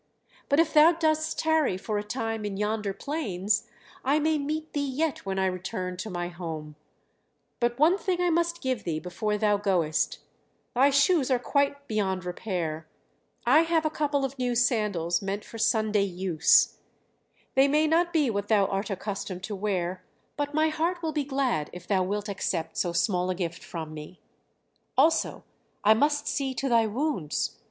But if thou dost tarry for a time in yonder plains I may meet thee yet when I return to my home; but one thing I must give thee before thou goest thy shoes are quite beyond repair I have a couple of new sandals meant for Sunday use; they may not be what thou art accustomed to wear, but my heart will be glad if thou wilt accept so small a gift from me. Also I must see to thy wounds.